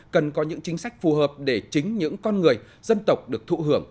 cần có những chính sách phù hợp để chính những con người dân tộc được thụ hưởng